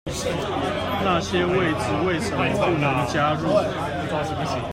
那些位子為什麼不能加入？